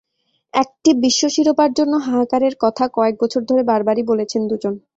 একটি বিশ্ব শিরোপার জন্য হাহাকারের কথা কয়েক বছর ধরে বারবারই বলেছেন দুজন।